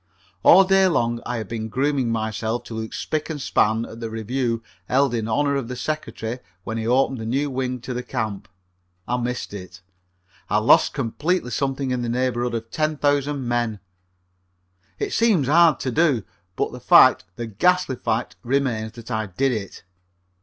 All day long I have been grooming myself to look spic and span at the review held in honor of the Secretary when he opened the new wing to the camp. I missed it. I lost completely something in the neighborhood of ten thousand men. It seems hard to do, but the fact, the ghastly fact, remains that I did it.